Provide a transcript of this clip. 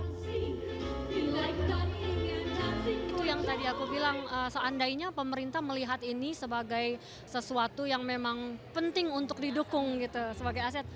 itu yang tadi aku bilang seandainya pemerintah melihat ini sebagai sesuatu yang memang penting untuk didukung gitu sebagai aset